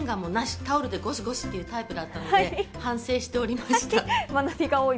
タオルでゴシゴシタイプだったので反省していました。